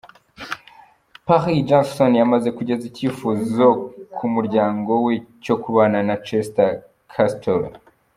Paris Jackson yamaze kugeza icyifuzo ku muryango we cyo kubana na Chester Castellaw.